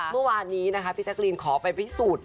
เมื่อวานี้พี่แชคลีนขอไปพิสูจน์